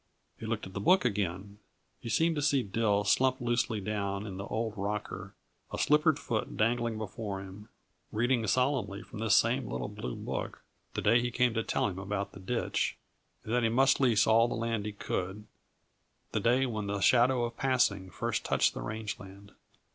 He looked at the book again. He seemed to see Dill slumped loosely down in the old rocker, a slippered foot dangling before him, reading solemnly from this same little blue book, the day he came to tell him about the ditch, and that he must lease all the land he could the day when the shadow of passing first touched the range land.